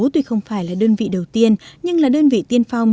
tuy không phải là đơn vị đầu tiên nhưng là đơn vị tiên phong